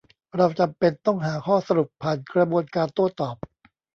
เราจำเป็นต้องหาข้อสรุปผ่านกระบวนการโต้ตอบ